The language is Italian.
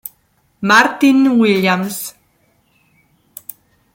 Martyn Williams